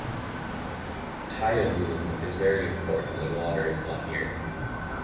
Tayammum is very important when water is not near.